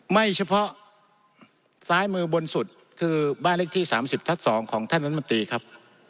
ไม่เฉพาะซ้ายมือบนสุดคือบ้านเลขที่๓๐ทับ๒ของท่านรัฐมนตรีครับ